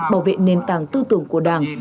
bảo vệ nền tảng tư tưởng của đảng